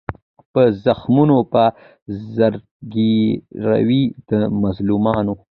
په زخمونو په زګیروي د مظلومانو